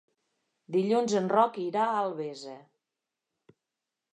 Dilluns en Roc irà a Albesa.